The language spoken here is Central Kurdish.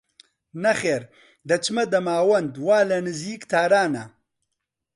نەخێر دەچمە دەماوەند وا لە نیزیک تارانە